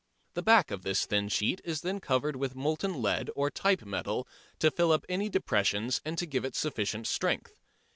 The back of this thin sheet is then covered with molten lead or type metal to fill up any depressions and to give it sufficient strength.